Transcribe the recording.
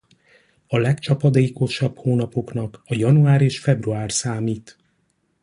A legcsapadékosabb hónapoknak a január és február számít.